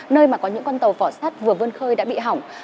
nơi mà có những con tàu vỏ sát vừa vơn khơi đã bị hỏng